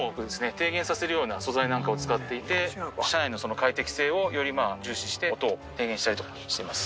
低減させるような素材なんかを使っていて車内の快適性をよりまあ重視して音を低減したりとかしてます。